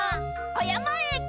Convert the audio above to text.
おやまえき！